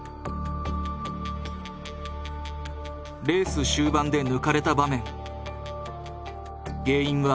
レース終盤で抜かれた場面。